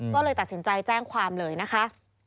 ก็เลยตัดสินใจแจ้งความเลยนะคะ